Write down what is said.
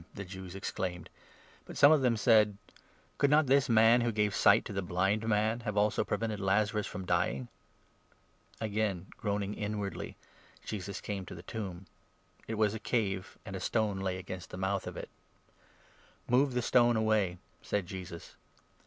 the Jews exclaimed; 36 but some of them said : 37 " Could not this man, who gave sight to the blind man, have also prevented Lazarus from dying ?" Again groaning inwardly, Jesus came to the tomb. It was 38 a cave, and a stone lay against the mouth of it. " Move the stone away," said Jesus.